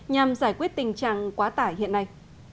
nhằm giải quyết tình trạng quá tải hiện nay